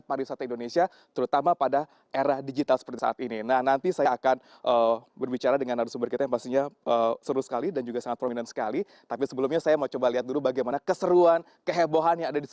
perusahaan indonesia total bagi komunikasi millennials